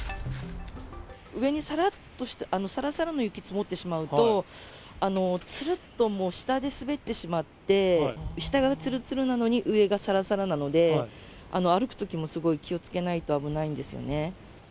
上にさらっとした、さらさらな雪が積もってしまうと、つるっともう、下で滑ってしまって、下がつるつるなのに、上がさらさらなので、歩くときも、すごい気をつけないと危ないんですよね。